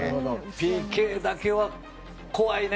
ＰＫだけは怖いね。